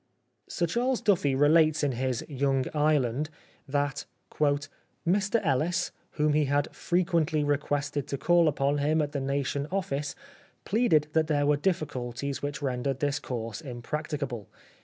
Sir Charles Duffy relates in his '* Young Ireland " that " Mr Ellis, whom he had frequently requested to call upon him at The Nation office, pleaded that there were difficulties which ren dered this course inpracticable.